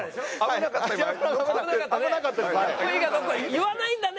言わないんだね。